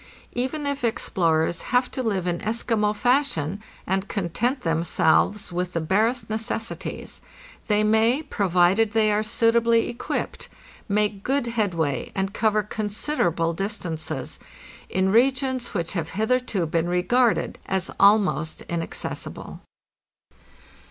Even if explorers have to live in Eskimo fashion and content themselves with the barest necessaries, they may, pro vided they are suitably equipped, make good headway and cover considerable distances in regions which have hitherto been re garded as almost inaccessible.